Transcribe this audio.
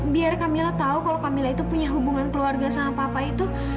biar camilla tahu kalau camilla itu punya hubungan keluarga sama papa itu